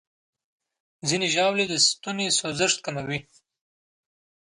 ځینې ژاولې د ستوني سوځښت کموي.